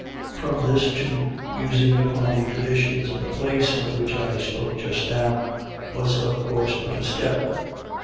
From this to musing upon the "traditions" of the place, of which I spoke just now, was of course but a step.